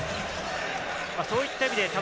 そういった意味で。